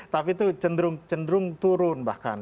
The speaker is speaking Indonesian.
tapi itu cenderung turun bahkan